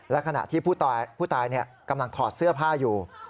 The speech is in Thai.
และขณะที่ผู้ตายกำลังถอดเสื้อผ้าอยู่